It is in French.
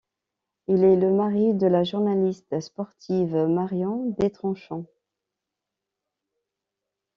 Il est le mari de la journaliste sportive Marion Detranchant.